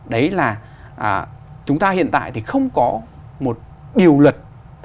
đấy là chúng ta hiện tại thì không có một điều luật